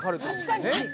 確かに。